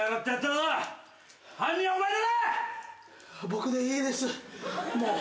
僕でいいですもう。